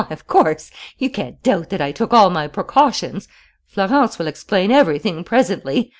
Why, of course! You can't doubt that I took all my precautions! Florence will explain everything presently....